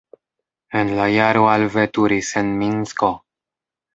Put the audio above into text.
En la jaro alveturis en Minsko.